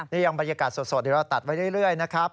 นี่ยังบรรยากาศสดเดี๋ยวเราตัดไว้เรื่อยนะครับ